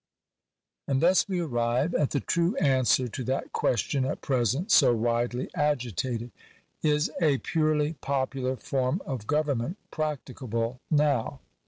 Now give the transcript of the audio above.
And thus we arrive at the true answer to that question at present so widely agitated — Is a purely popular form of govern ment practicable now?